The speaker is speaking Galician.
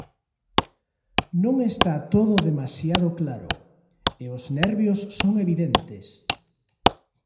Non está todo demasiado claro e os nervios son evidentes.